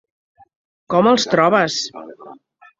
Com els trobes?